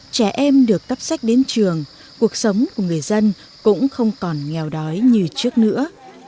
trẻ em được cấp sách đến trường cuộc sống của người dân cũng không còn nghèo đói như trước nữa